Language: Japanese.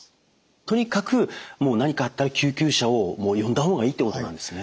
とにかくもう何かあったら救急車を呼んだ方がいいということなんですね。